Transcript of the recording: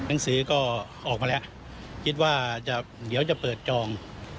หนังสือก็ออกมาแล้วคิดว่าจะเดี๋ยวจะเปิดจอง